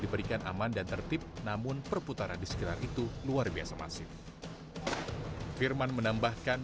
diberikan aman dan tertib namun perputaran di sekitar itu luar biasa masif firman menambahkan